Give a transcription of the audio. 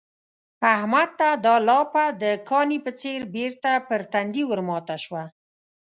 احمد ته دا لاپه د کاني په څېر بېرته پر تندي ورماته شوه.